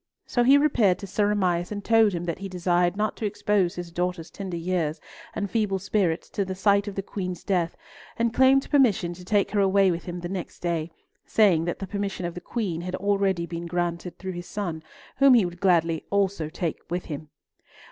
So he repaired to Sir Amias, and told him that he desired not to expose his daughter's tender years and feeble spirits to the sight of the Queen's death, and claimed permission to take her away with him the next day, saying that the permission of the Queen had already been granted through his son, whom he would gladly also take with him.